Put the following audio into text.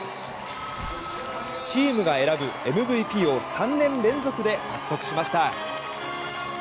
チームが選ぶＭＶＰを３年連続で獲得しました。